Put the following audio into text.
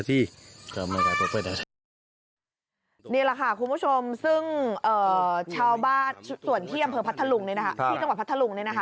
ที่กรรมพัทธาลุงนี่นะคะ